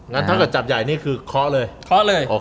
งั้นเท่ากับจับใหญ่นี้คือคล้อค์เลยคล้อค์เลย